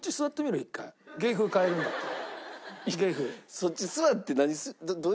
そっち座って何する？